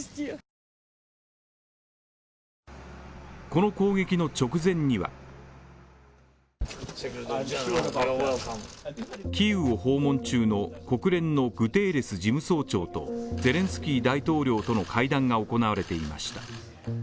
この攻撃の直前にはキーウを訪問中の国連のグテーレス事務総長とゼレンスキー大統領との会談が行われていました。